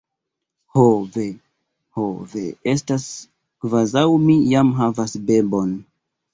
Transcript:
Ho ve, ho ve! Estas kvazaŭ mi jam havas bebon.